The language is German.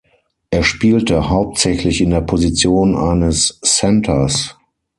Er spielte hauptsächlich in der Position eines Centers.